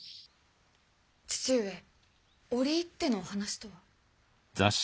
父上折り入ってのお話とは？